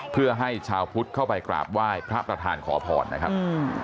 เพื่อให้ชาวพุทธเข้าไปกราบไหว้พระประธานขอพรนะครับ